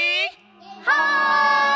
はい！